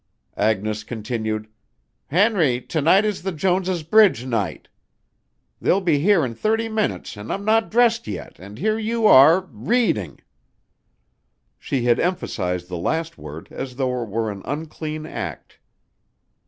Agnes continued, "Henry, tonight is the Jones' bridge night. They'll be here in thirty minutes and I'm not dressed yet, and here you are ... reading." She had emphasized the last word as though it were an unclean act.